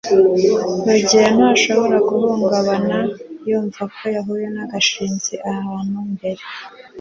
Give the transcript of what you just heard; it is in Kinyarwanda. rugeyo ntashobora guhungabana yumva ko yahuye na gashinzi ahantu mbere